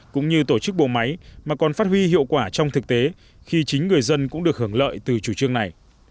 cũng như tổ chức bộ máy mà còn phát huy hiệu quả trong thực tế khi chính người dân cũng được hưởng lợi từ chủ trương này